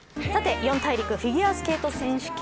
四大陸フィギュアスケート選手権